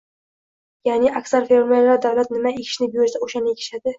Ya’ni aksar fermerlar davlat nima ekishni buyursa, o‘shani ekishadi.